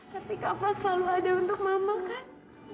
tapi kafa selalu ada untuk mama kan